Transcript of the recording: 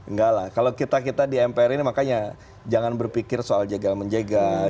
enggak lah kalau kita kita di mpr ini makanya jangan berpikir soal jegal menjegal